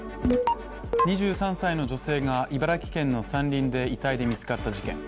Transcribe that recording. ２３歳の女性が茨城県の山林で遺体で見つかった事件。